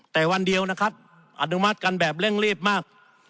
แต่วันเดียวนะครับอนุมัติกันแบบเร่งรีบมาก